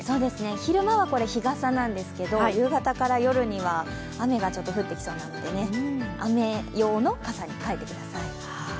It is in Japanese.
昼間は日傘なんですけど夕方から夜には雨がちょっと降ってきそうなので、雨用の傘に変えてください。